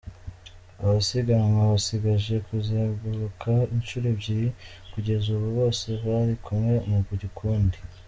: Abasiganwa basigaje kuzenguruka inshuro ebyiri, kugeza ubu bose bari kumwe mu gikundi.